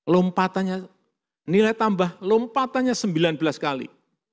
lompatannya nilai tambah lompatannya sembilan belas kali